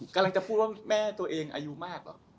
กำลังจะพูดว่าแม่ตัวเองอายุมากเหรอ